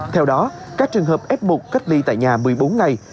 theo đó các trường hợp f một cách ly tại nhà một mươi bốn ngày